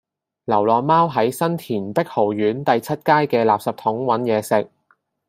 流浪貓喺新田碧豪苑第七街嘅垃圾桶搵野食